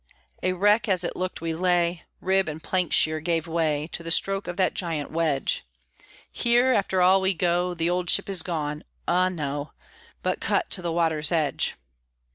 A wreck, as it looked, we lay (Rib and plank sheer gave way To the stroke of that giant wedge!) Here, after all, we go The old ship is gone! ah, no, But cut to the water's edge.